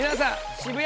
渋谷